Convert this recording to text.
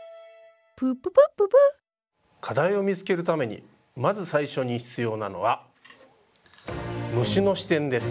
プププッププッ課題を見つけるためにまず最初に必要なのは「虫の視点」です。